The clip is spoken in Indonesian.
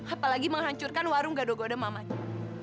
apalagi menghancurkan warung gadogoda mamanya